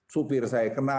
supir saya kena